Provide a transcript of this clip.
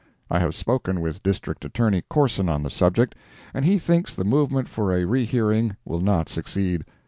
I have spoken with District Attorney Corson on the subject, and he thinks the movement for a rehearing will not succeed.